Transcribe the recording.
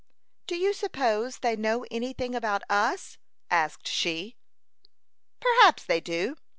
"Do you suppose they know any thing about us?" asked she. "Perhaps they do.